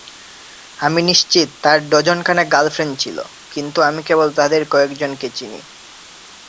আমি নিশ্চিত তার ডজনখানে গার্লফ্রেন্ড ছিল, কিন্তু আমি কেবল তাদের কয়েকজনকে চিনি।